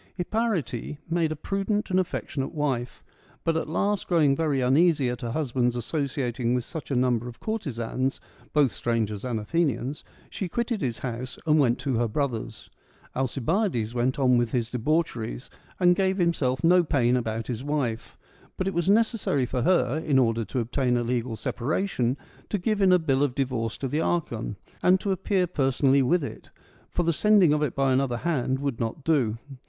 Hipparete made a prudent and affectionate wife; — but at last growing very uneasy at her husband's associating with such a number of courtesans, both strangers and Athenians, she quitted his house and went to her brother's. Alcibiades went on with his debauch eries, and gave himself no pain about his wife ; but it was necessary for her, in order to obtain a legal separation, to give in a bill of divorce to the archon, and to appear per sonally with it ; for the sending of it by another hand would not do.